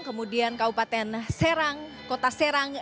kemudian kabupaten serang kota serang